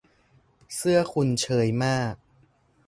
เสื้อคุณเชยมาก